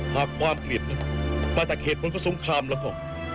หากความเกลียดมาแต่เกตบนกสงครามแล้วก็